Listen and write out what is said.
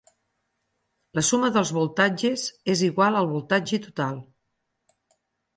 La suma dels voltatges és igual al voltatge total.